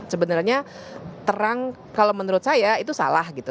sebenarnya terang kalau menurut saya itu salah gitu